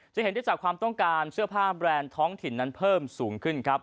จะเห็นได้จากความต้องการเสื้อผ้าแบรนด์ท้องถิ่นนั้นเพิ่มสูงขึ้นครับ